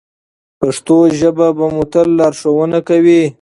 پښتو ژبه به مو تل لارښوونه کوي.